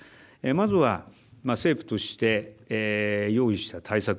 まずは政府として用意した対策